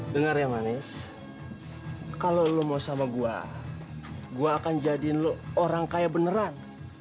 dengar ya manis kalo lu mau sama gue gue akan jadiin lu orang kaya beneran